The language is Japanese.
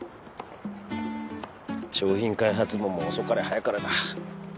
商品開発部も遅かれ早かれだ。